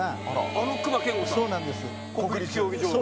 あの隈研吾さん国立競技場の。